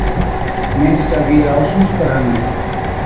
مين جِچا بِيها اوسُونچ ڪراوهِين‘۔